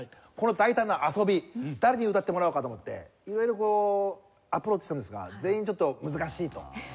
この大胆な遊び誰に歌ってもらおうかと思って色々アプローチしたんですが全員ちょっと難しいと。